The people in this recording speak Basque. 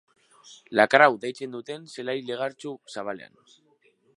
La Crau deitzen duten zelai legartsu zabalean.